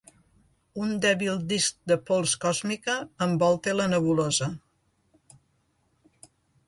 Un dèbil disc de pols còsmica envolta la nebulosa.